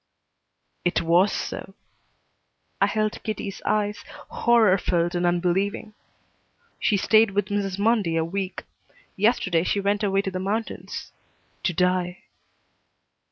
"It was so." I held Kitty's eyes, horror filled and unbelieving. "She stayed with Mrs. Mundy a week. Yesterday she went away to the mountains to die."